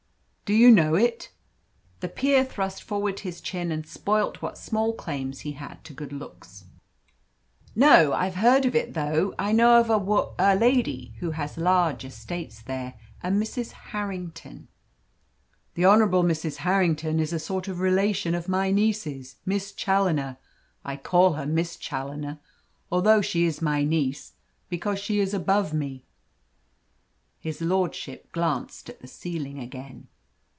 "Do you know it?" The peer thrust forward his chin and spoilt what small claims he had to good looks. "No; I've heard of it, though. I know of a wom a lady, who has large estates there a Mrs. Harrington." "The Honourable Mrs. Harrington is a sort of relation of my niece's, Miss Challoner. I call her Miss Challoner, although she is my niece, because she is above me." His lordship glanced at the ceiling again.